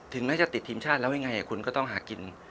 แม้จะติดทีมชาติแล้วยังไงคุณก็ต้องหากิน